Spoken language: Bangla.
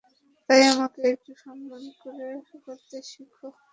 তাই আমাকে একটু সম্মান করতে শিখ?